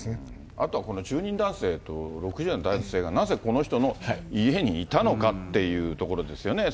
あとはこの住人男性と６０代の男性がなぜこの人の家にいたのかっていうところですよね。